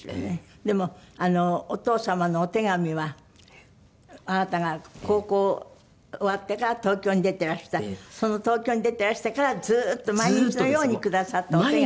でもお父様のお手紙はあなたが高校終わってから東京に出ていらしたその東京に出ていらしてからずーっと毎日のようにくださったお手紙が。